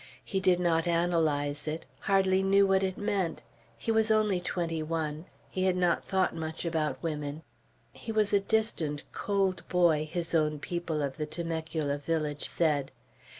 He did not analyze it; hardly knew what it meant. He was only twenty one. He had not thought much about women. He was a distant, cold boy, his own people of the Temecula village said.